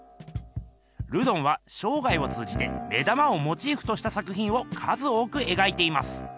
ルドンはしょうがいを通じて目玉をモチーフとした作ひんを数多く描いています。